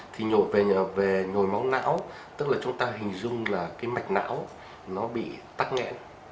thì nhồi máu não tức là chúng ta hình dung là cái mạch não nó bị tắt ngẽn